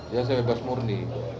ya saya bebas murni